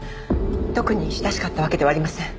特に親しかったわけではありません。